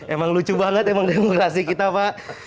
emang lucu banget emang demokrasi kita pak